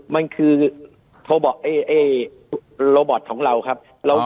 มันคือโลบอทของเราครับ